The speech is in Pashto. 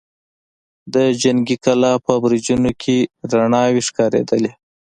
د جنګي کلا په برجونو کې رڼاوې ښکارېدلې.